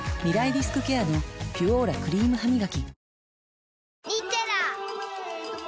リスクケアの「ピュオーラ」クリームハミガキ